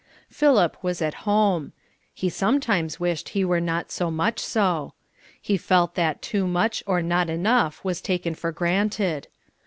Philip was at home he sometimes wished he were not so much so. He felt that too much or not enough was taken for granted.